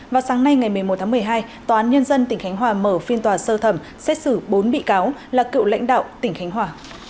vào sáng nay ngày một mươi một tháng một mươi hai tòa án nhân dân tỉnh khánh hòa mở phiên tòa sơ thẩm xét xử bốn bị cáo là cựu lãnh đạo tỉnh khánh hòa